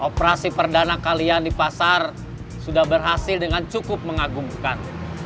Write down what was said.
operasi perdana kalian di pasar sudah berhasil dengan cukup mengagumkan